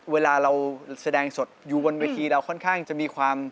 เวลาเราแสดงสดอยู่บนเวทีเราค่อนข้างจะมีความ